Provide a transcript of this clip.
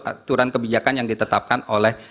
aturan kebijakan yang ditetapkan oleh